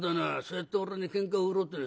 そうやって俺にけんかを売ろうって」。